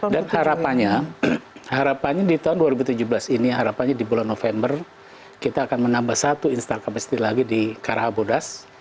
dan harapannya harapannya di tahun dua ribu tujuh belas ini harapannya di bulan november kita akan menambah satu install kapasiti lagi di karahabodas